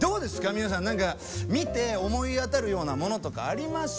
皆さん何か見て思い当たるようなものとかあります？